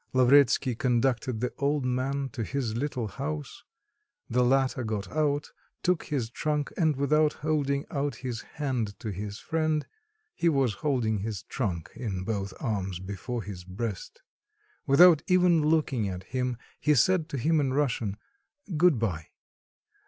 Lavretsky conducted the old man to his little house; the latter got out, took his trunk and without holding out his hand to his friend (he was holding his trunk in both arms before his breast), without even looking at him, he said to him in Russian, "good bye!"